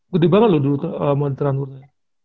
gede banget loh dulu monitornya